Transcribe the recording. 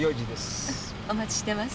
お待ちしてます。